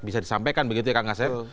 bisa disampaikan begitu ya kang asep